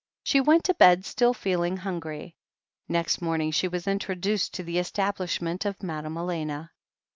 She went to bed still feeling hungry. Next morning she was introduced to the establish ment of Madame Elena.